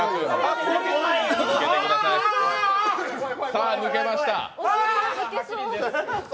さあ、抜けました。